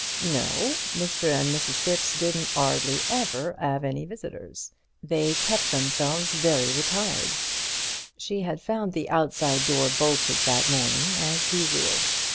No, Mr. and Mrs. Thipps didn't 'ardly ever 'ave any visitors; they kep' themselves very retired. She had found the outside door bolted that morning as usual.